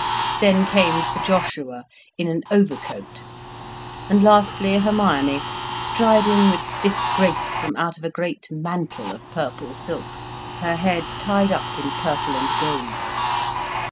Then came Sir Joshua, in an overcoat, and lastly Hermione, striding with stiff grace from out of a great mantle of purple silk, her head tied up in purple and gold.